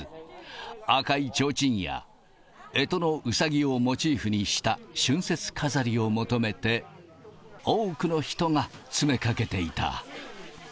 赤いちょうちんや、えとのうさぎをモチーフにした春節飾りを求めて、多くの人が詰めかけていた。